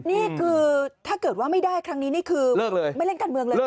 นี่คือถ้าเกิดว่าไม่ได้ครั้งนี้นี่คือไม่เล่นการเมืองเลยนะ